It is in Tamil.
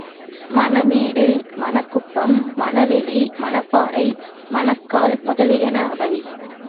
மணமேடு, மணக் குப்பம், மண வெளி, மணப் பாறை, மணக்கால் முதலியன அவை.